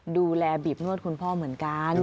ดูแลบีบนวดคุณพ่อเหมือนกัน